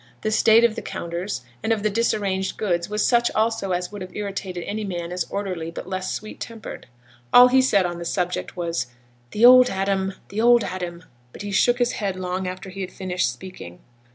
The state of the counters, and of the disarranged goods, was such also as would have irritated any man as orderly but less sweet tempered. All he said on the subject was: 'The old Adam! the old Adam!' but he shook his head long after he had finished speaking.